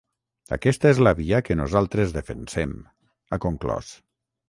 “Aquesta és la via que nosaltres defensem”, ha conclòs.